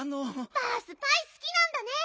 バースパイすきなんだね。